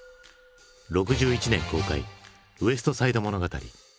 ６１年公開「ウエスト・サイド物語」。